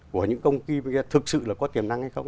của những công ty thực sự có tiềm năng hay không